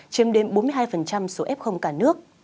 chiếm đêm bốn mươi hai số f cả nước